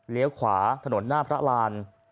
เหลียวขวาถนนหน้าพระราณ